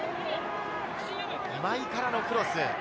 今井からのクロス。